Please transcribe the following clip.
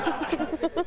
ハハハハ！